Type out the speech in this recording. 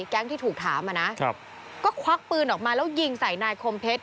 แก๊งที่ถูกถามอ่ะนะครับก็ควักปืนออกมาแล้วยิงใส่นายคมเพชร